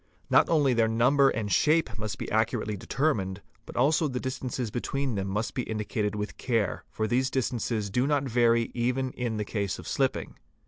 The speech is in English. Not only their number and shape must be accurately determined, but also the distances between them must be indicated with care, for these — distances do not vary even in the case of slipping.